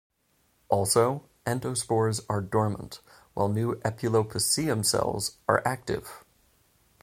Also, endospores are dormant, while new "Epulopiscium" cells are active.